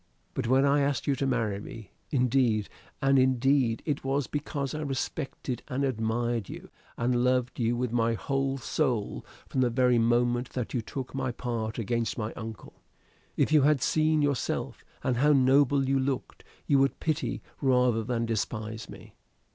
But when I asked you to marry me, indeed, and indeed, it was because I respected and admired you, and loved you with my whole soul, from the very moment that you took my part against my uncle. If you had seen yourself, and how noble you looked, you would pity rather than despise me.